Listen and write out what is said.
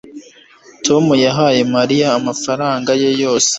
Tom yahaye Mariya amafaranga ye yose